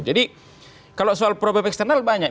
jadi kalau soal problem eksternal banyak